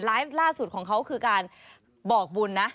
ล่าสุดของเขาคือการบอกบุญนะ